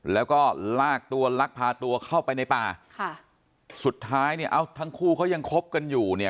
แล้วก็ลากตัวลักพาตัวเข้าไปในป่าค่ะสุดท้ายเนี่ยเอ้าทั้งคู่เขายังคบกันอยู่เนี่ย